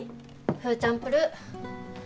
フーチャンプルー。